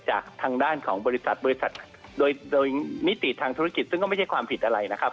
จากทางด้านของบริษัทบริษัทโดยมิติทางธุรกิจซึ่งก็ไม่ใช่ความผิดอะไรนะครับ